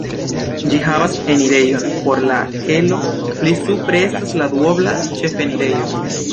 Ĝi havas enirejon por la kelo, pli supre estas la duobla ĉefenirejo.